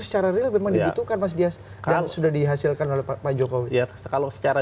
secara real memang dibutuhkan mas dias sudah dihasilkan oleh pak jokowi ya kalau secara